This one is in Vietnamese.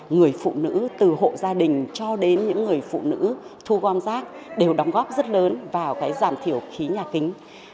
người phụ nữ từ hộ gia đình cho đến những người phụ nữ thu gom rác đều đóng góp rất lớn vào giảm thiểu khí nhà kính